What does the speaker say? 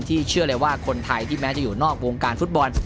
เชื่อเลยว่าคนไทยที่แม้จะอยู่นอกวงการฟุตบอล